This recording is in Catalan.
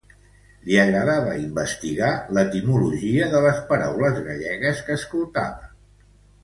Li agradava investigar l'etimologia de les paraules gallegues que escoltava.